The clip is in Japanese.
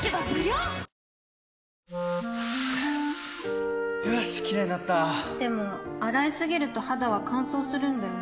よしキレイになったでも、洗いすぎると肌は乾燥するんだよね